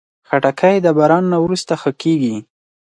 خټکی د باران نه وروسته ښه کېږي.